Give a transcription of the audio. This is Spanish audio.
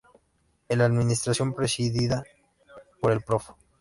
En la administración presidida por el Prof.